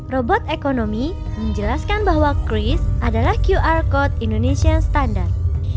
robot ekonomi menjelaskan bahwa kris adalah qr code indonesia standar